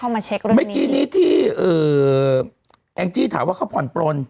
เมื่อกี้นี้ที่แองจี้ถามว่าเขาพ่อนปลน